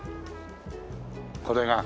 これが。